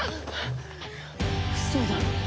ウソだろ？